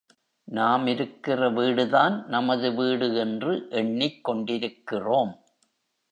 நாம் இருக்கிற வீடுதான் நமது வீடு என்று எண்ணிக் கொண்டிருக்கிறோம்.